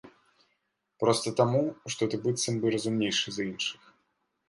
Проста таму, што ты быццам бы разумнейшы за іншых.